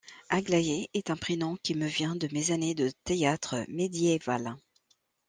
Aglaé est un prénom qui me vient de mes années de théâtre médiéval.